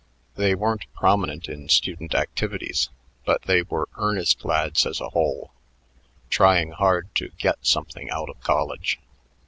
They weren't prominent in student activities, but they were earnest lads as a whole, trying hard to get something out of college.